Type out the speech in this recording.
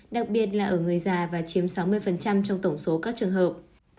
đặc biệt là ở người già và chiếm sáu mươi trong tổng số các trường hợp